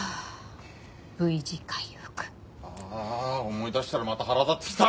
ああ思い出したらまた腹立ってきた！